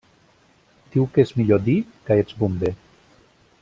Diu que és millor dir que ets bomber.